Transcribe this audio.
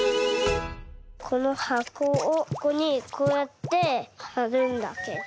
このはこをここにこうやってはるんだけど。